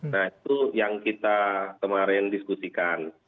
nah itu yang kita kemarin diskusikan